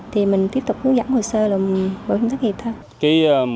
thì mình tiếp tục hướng dẫn hồ sơ làm bảo hiểm thất nghiệp thôi